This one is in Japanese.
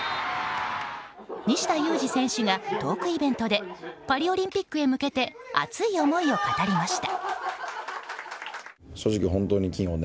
西田有志選手がトークイベントでパリオリンピックへ向けて熱い思いを語りました。